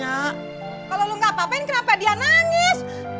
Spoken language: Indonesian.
kalau lo gak apa apain kenapa dia nangis